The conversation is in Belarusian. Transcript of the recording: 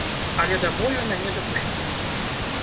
Але да бою мяне дапусцілі.